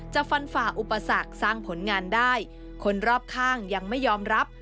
ฟันฝ่าอุปสรรคสร้างผลงานได้คนรอบข้างยังไม่ยอมรับ